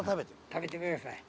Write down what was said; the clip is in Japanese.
食べてください。